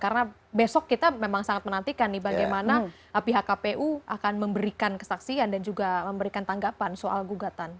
karena besok kita memang sangat menantikan nih bagaimana pihak kpu akan memberikan kesaksian dan juga memberikan tanggapan soal gugatan